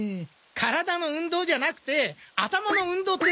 体の運動じゃなくて頭の運動ってのはどうかな？